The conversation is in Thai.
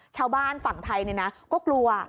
ชาวบ้านฝั่งไทยก็กลัว